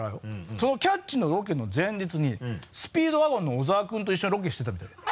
その「キャッチ！」のロケの前日にスピードワゴンの小沢君と一緒にロケしてたみたいで。